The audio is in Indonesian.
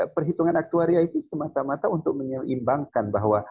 perhitungan aktuaria itu semata mata untuk menyeimbangkan bahwa